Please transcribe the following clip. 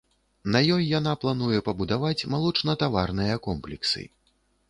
На ёй яна плануе пабудаваць малочнатаварныя комплексы.